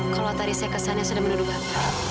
kalau tadi saya kesannya sudah menuduh bapak